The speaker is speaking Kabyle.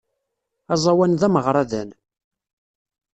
Aẓawan d ameɣradan.